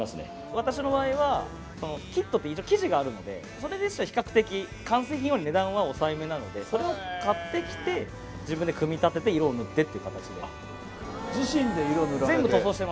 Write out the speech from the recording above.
私の場合は、キットというか、きじがあるので、それですと、比較的、完成品より値段は抑えめなので、それを買ってきて、自分で組み立てて、色を塗ってっ自身で色塗られて？